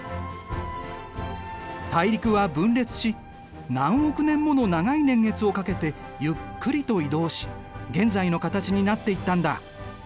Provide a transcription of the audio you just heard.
大陸は分裂し何億年もの長い年月をかけてゆっくりと移動し現在の形になっていったんだ。